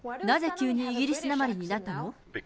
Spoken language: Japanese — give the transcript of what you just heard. なぜ急にイギリスなまりになったの？